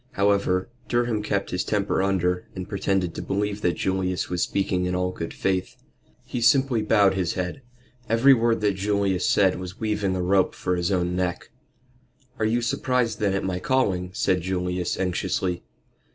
However, Durham kept his temper under, and pretended to believe that Julius was speaking in all good faith. He simply bowed his head. Every word that Julius said was weaving a rope for his own neck. "Are you surprised then at my calling?" said Julius, anxiously.